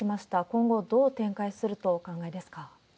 今後どう展開されるとお考えですか？